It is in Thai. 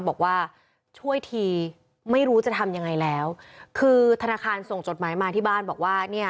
บอกว่าช่วยทีไม่รู้จะทำยังไงแล้วคือธนาคารส่งจดหมายมาที่บ้านบอกว่าเนี่ย